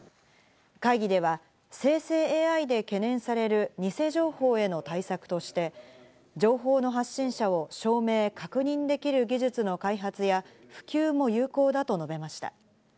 会議では、生成ＡＩで懸念される、偽情報への対策として情報の発信者を証明・確認できる技術の開発や普及も有効だと述べました。